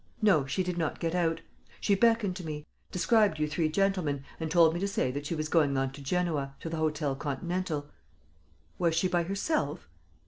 "No. She did not get out. She beckoned to me, described you three gentlemen and told me to say that she was going on to Genoa, to the Hôtel Continental." "Was she by herself?"